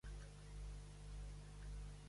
Quines qüestions li ha fet saber Torra?